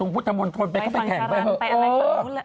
บุตรธรรมน์โทนไปเข้าไปแข่งไปเถอะ